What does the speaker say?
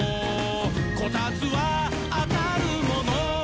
「こたつはあたるもの」